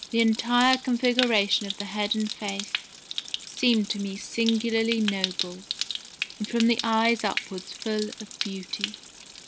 The entire configuration of the head and face seemed to me singularly noble, and from the eyes upwards full of beauty.